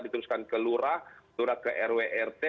dituliskan ke lura lura ke rw rt